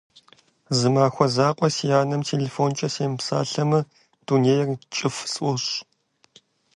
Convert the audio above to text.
Зы махуэ закъуэ си анэм телефонкӏэ семыпсэлъамэ, дунейр кӏыфӏ сфӏощӏ.